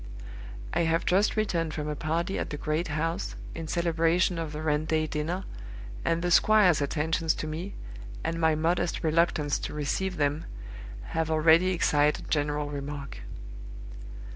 I have just returned from a party at the great house, in celebration of the rent day dinner, and the squire's attentions to me, and my modest reluctance to receive them, have already excited general remark.